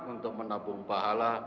untuk menabung pahala